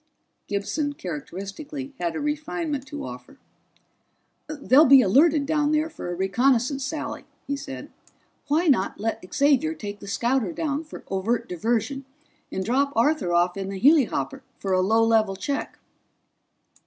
Gibson, characteristically, had a refinement to offer. "They'll be alerted down there for a reconnaissance sally," he said. "Why not let Xavier take the scouter down for overt diversion, and drop Arthur off in the helihopper for a low level check?"